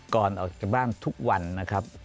ก่อนออกจากบ้านทุกวันนะครับ